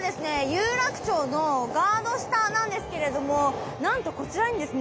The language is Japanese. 有楽町のガード下なんですけれどもなんとこちらにですね